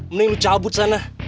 mending lo cabut sana